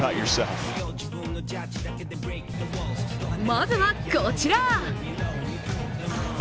まずは、こちら。